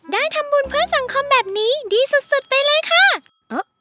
ได้ทำบุญเพื่อสังคมแบบนี้ดีสุดไปเลยค่ะ